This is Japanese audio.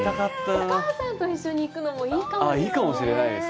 お母さんと一緒に行くのもいいかもしれないですね。